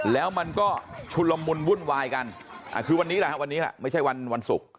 แล้วมันก็ชุดละมุนวุ่นวายกันคือวันนี้แหละไม่ใช่วันศุกร์